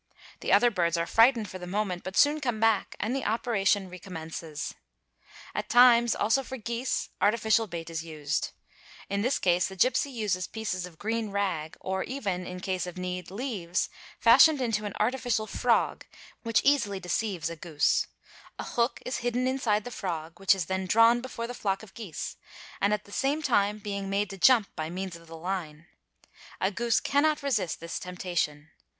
The other birds are frightened for the moment but soon come back, and the operation re commences. At times also for geese, — artificial bait is used ; in this case the gipsy uses pieces of green rag or — even, in case of need, leaves, fashioned into an artificial frog which easily deceives a goose; a hook is hidden inside the frog, which is then drawn | before the flock of geese, at the same time being made to jump by means — of the line. A goose cannot resist this temptation.